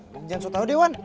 jangan sok tau deh wan